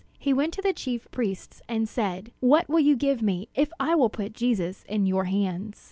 He went to the chief priests, and said: "What will you give me, if I will put Jesus in your hands?"